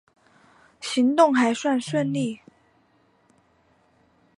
行动还算顺利